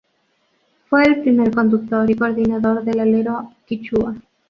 Fue el primer conductor y coordinador del Alero quichua.